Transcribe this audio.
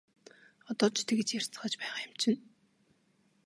Одоо ч тэгж ярьцгааж байгаа юм чинь!